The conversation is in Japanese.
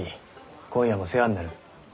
今夜も世話になる。